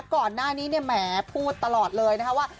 ก่อนหน้านี้เนี่ยแหมพูดตลอดเลยนะคะว่า